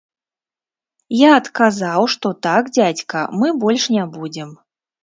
Я адказаў, што так, дзядзька, мы больш не будзем.